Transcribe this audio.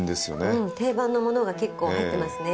うん定番のものが結構入ってますね。